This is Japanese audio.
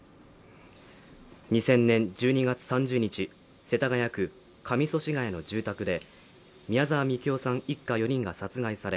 ２０００年１２月３０日世田谷区上祖師谷の住宅で宮沢みきおさん一家４人が殺害され